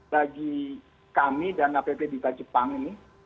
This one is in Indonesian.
bagi kami dan app bipa jepang ini